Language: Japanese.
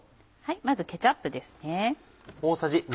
まずケチャップですね。